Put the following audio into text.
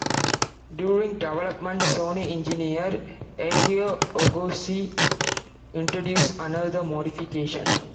During development, Sony engineer Akio Ohgoshi introduced another modification.